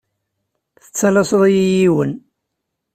Tettalaseḍ-iyi yiwen.